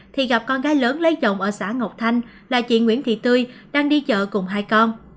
thì gặp con gái lớn lấy chồng ở xã ngọc thanh là chị nguyễn thị tươi đang đi chợ cùng hai con